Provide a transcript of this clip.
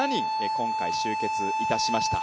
今回、集結いたしました。